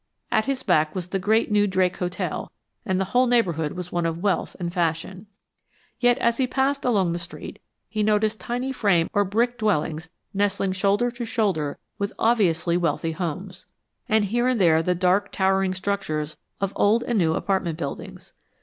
At his back was the great new Drake Hotel and the whole neighborhood was one of wealth and fashion. Yet, as he passed along the street, he noticed tiny frame or brick dwellings nestling shoulder to shoulder with obviously wealthy homes, and here and there the dark, towering structures of old and new apartment buildings.